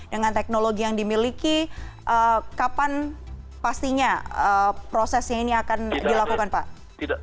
dengan teknologi yang dimiliki kapan pastinya prosesnya ini akan dilakukan pak